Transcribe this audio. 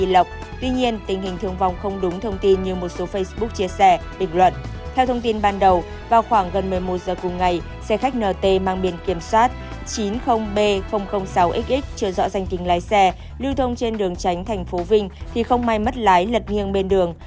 lưu thông trên đường tránh tp vinh thì không may mất lái lật nghiêng bên đường